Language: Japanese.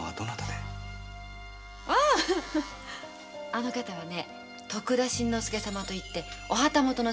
ああの方は徳田新之助様といってお旗本の三男坊。